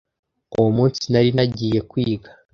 uwo munsi nari nagiye kwiga